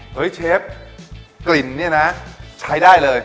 เฮ้ยเชฟกลิ่นเนี่ยนะใช้ได้เลย